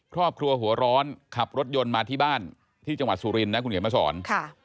ครอบครัวหัวร้อนขับรถยนต์มาที่บ้านที่จังหวัดสุรินทร์นะคุณเขียนมาสอน